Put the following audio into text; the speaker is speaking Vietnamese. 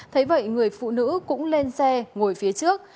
thế vậy người phụ nữ cũng lên xe ngồi phía trước